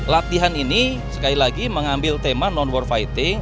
latihan ini sekali lagi mengambil tema non worfighting